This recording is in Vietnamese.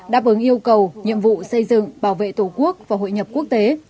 đáp ứng yêu cầu nhiệm vụ xây dựng bảo vệ tổ quốc và hội nhập quốc tế